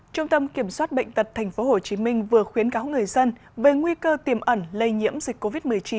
trung tâm kiểm soát bệnh tật tp hcm vừa khuyến cáo người dân về nguy cơ tiềm ẩn lây nhiễm dịch covid một mươi chín